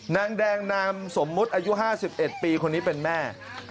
นางแดงนามสมมุติอายุ๕๑ปีคนนี้เป็นแม่